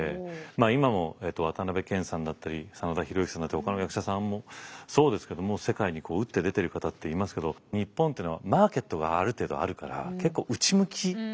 今も渡辺謙さんだったり真田広之さんだったりほかの役者さんもそうですけども世界に打って出てる方っていますけど日本っていうのはマーケットがある程度あるから結構内向き。